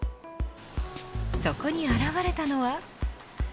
そこに現れたのは。